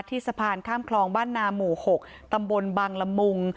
สะพานข้ามคลองบ้านนาหมู่๖ตำบลบังละมุง